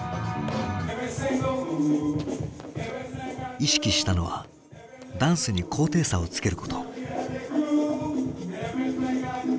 意識したのはダンスに“高低差”をつけること。